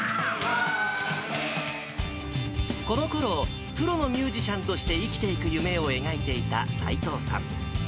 このころ、プロのミュージシャンとして生きていく夢を描いていた斎藤さん。